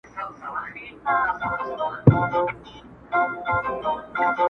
لار چي کله سي غلطه له سړیو.!